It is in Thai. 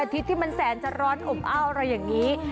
อาทิตย์ที่มันแสนจะร้อนอบอ้าวอะไรแบบนี้